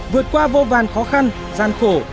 vượt qua vô vàn khó khăn gian khổ